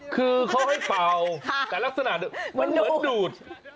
คือเขาให้เป่าแต่ลักษณะเหมือนดูด